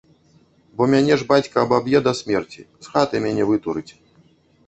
Бо мяне ж бацька абаб'е да смерці, з хаты мяне вытурыць.